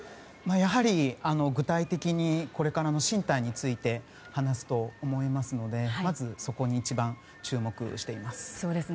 やはり、具体的にこれからの進退について話すと思いますのでそこに一番注目しています。